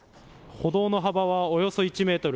歩道の幅はおよそ１メートル。